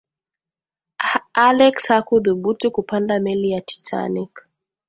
alex hakuthubutu kupanda meli ya titanic